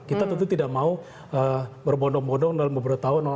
kita tentu tidak mau berbondong bondong dalam beberapa tahun